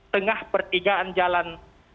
tengah pertigaan jalan